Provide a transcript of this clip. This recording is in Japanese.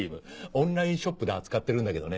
オンラインショップで扱ってるんだけどね。